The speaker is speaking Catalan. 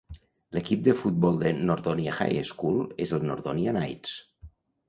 L'equip de futbol de Nordonia High School és el Nordonia Knights.